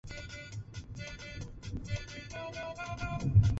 Los misiles balísticos son todavía difíciles de derrotar en el campo de batalla.